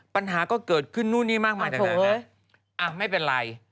ปัญหาก็เกิดขึ้นนู่นนี่มากจากนั้นนะอ่ะไม่เป็นไร